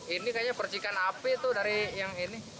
ini kayaknya percikan api tuh dari yang ini